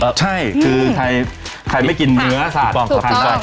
ใช่คือใครไม่กินเนื้อถูกก้องเข้าให้ได้